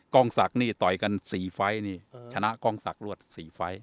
กล้องศักดิ์นี่ต่อยกัน๔ไฟล์นี่ชนะกล้องศักดิรวด๔ไฟล์